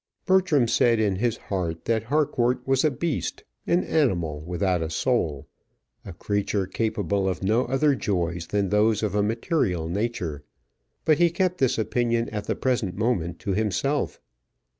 Bertram said in his heart that Harcourt was a beast, an animal without a soul, a creature capable of no other joys than those of a material nature; but he kept this opinion at the present moment to himself.